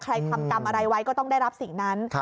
ทำกรรมอะไรไว้ก็ต้องได้รับสิ่งนั้น